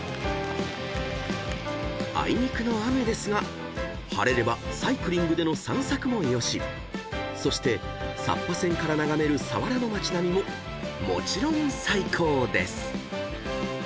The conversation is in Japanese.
［あいにくの雨ですが晴れればサイクリングでの散策もよしそしてさっぱ舟から眺める佐原の町並みももちろん最高です］